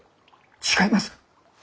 違います！